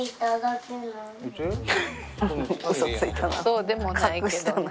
そうでもないけどな。